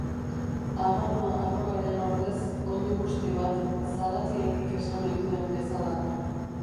Arrano harroaren ordez oilobusti bat, Zaratiegik esan ohi duen bezala.